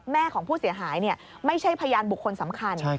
ของผู้เสียหายไม่ใช่พยานบุคคลสำคัญ